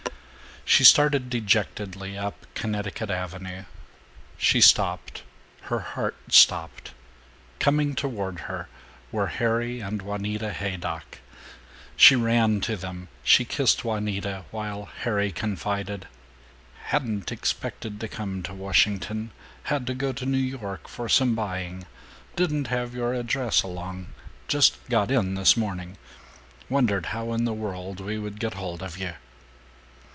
She started dejectedly up Connecticut Avenue. She stopped, her heart stopped. Coming toward her were Harry and Juanita Haydock. She ran to them, she kissed Juanita, while Harry confided, "Hadn't expected to come to Washington had to go to New York for some buying didn't have your address along just got in this morning wondered how in the world we could get hold of you."